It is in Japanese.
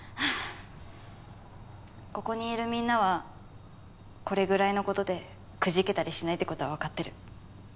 ここにいるみんなはこれぐらいの事でくじけたりしないって事はわかってる。